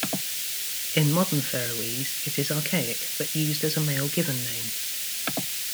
In Modern Faroese, it is archaic but used as a male given name.